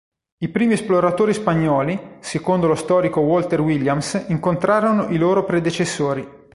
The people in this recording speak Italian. I primi esploratori spagnoli, secondo lo storico Walter Williams, incontrarono i loro predecessori.